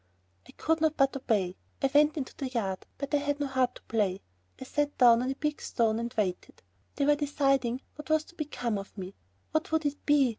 I could not but obey. I went into the yard, but I had no heart to play. I sat down on a big stone and waited. They were deciding what was to become of me. What would it be?